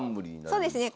そうですね。